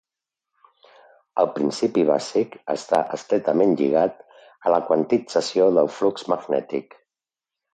El principi bàsic està estretament lligat a la quantització del flux magnètic.